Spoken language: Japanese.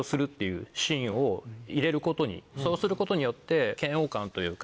そうすることによって。